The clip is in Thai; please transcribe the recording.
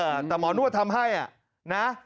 แต่หมอนวดทำให้อ่ะนะ